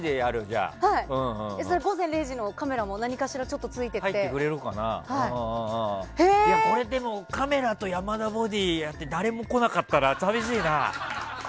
「午前０時」のカメラも何かしら、ついていってこれでもカメラと山田ＢＯＤＹやって誰も来なかったらさみしいな。